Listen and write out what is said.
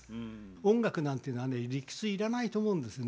音楽なんていうのはね理屈要らないと思うんですよね。